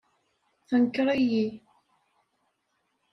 Tenker-iyi.